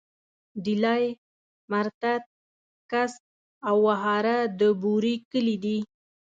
ډيلی، مرتت، کڅ او وهاره د بوري کلي دي.